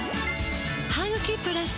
「ハグキプラス」